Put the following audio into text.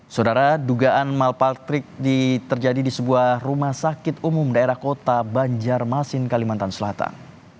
saudara dugaan mal paltrik terjadi di sebuah rumah sakit umum daerah kota banjarmasin kalimantan selatan